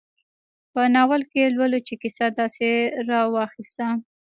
په ناول کې لولو چې کیسه داسې راواخیسته.